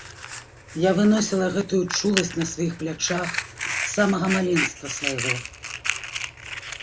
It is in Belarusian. Я выносіла гэтую чуласць на сваіх плячах з самага маленства свайго.